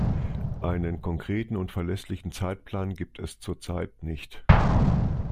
Einen konkreten und verlässlichen Zeitplan gibt es zurzeit nicht.